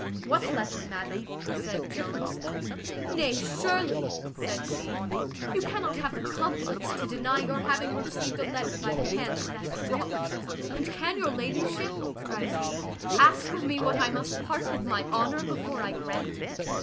"What letter, madam?" said Jones. "Nay, surely," said she, "you cannot have the confidence to deny your having received a letter by the hands of that trollop." "And can your ladyship," cries he, "ask of me what I must part with my honour before I grant?